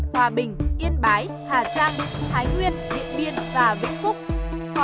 hòa bình yên bái hà giang thái nguyên điện biên và vĩnh phúc